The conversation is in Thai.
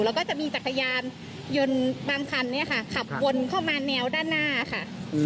แล้วก็จะมีจักรยานยนต์บางคันเนี่ยค่ะขับวนเข้ามาแนวด้านหน้าค่ะ